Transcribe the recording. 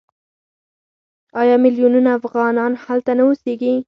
آیا میلیونونه افغانان هلته نه اوسېږي؟